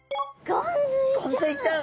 ゴンズイちゃん。